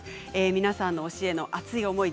皆さんの推しへの熱い思い